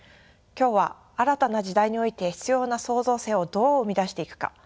今日は新たな時代において必要な創造性をどう生み出していくか